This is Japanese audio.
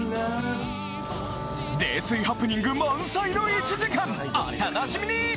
泥酔ハプニング満載の１時間お楽しみに！